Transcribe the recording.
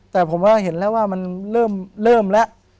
แต่ผมว่าเห็นแล้วว่ามันเริ่มแล้ว